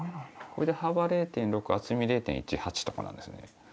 これで幅０．６厚み０．１８とかなんですね。